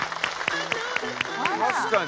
確かに。